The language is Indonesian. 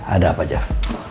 ada apa jav